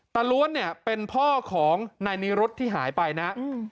ล้วนเนี่ยเป็นพ่อของนายนิรุธที่หายไปนะ